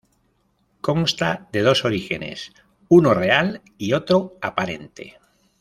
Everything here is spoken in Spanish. Consta de dos orígenes, uno real y otro aparente.